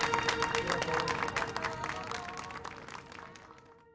ありがとう。